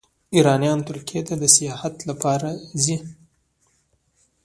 ایرانیان ترکیې ته د سیاحت لپاره ځي.